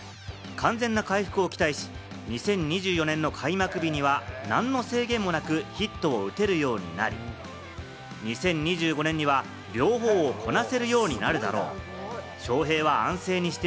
完全な回復を期待し、２０２４年の開幕日には何の制限もなくヒットを打てるようになり、２０２５年には両方をこなせるようになるだろう。